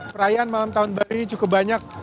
perayaan malam tahun baru ini cukup banyak